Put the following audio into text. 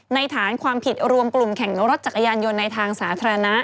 ฐานความผิดรวมกลุ่มแข่งรถจักรยานยนต์ในทางสาธารณะ